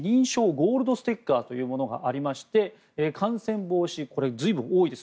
ゴールドステッカーというものがありまして感染防止随分多いです